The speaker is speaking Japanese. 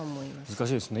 難しいですね。